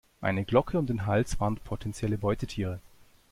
Eine Glocke um den Hals warnt potenzielle Beutetiere.